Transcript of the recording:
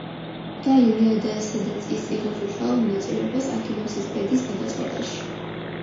და ილიადა სადაც ის იღებს უშუალო მონაწილეობას აქილევსის ბედის გადაწყვეტაში.